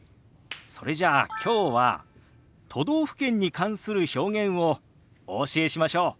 それじゃあきょうは都道府県に関する表現をお教えしましょう。